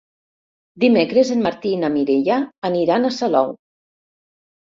Dimecres en Martí i na Mireia aniran a Salou.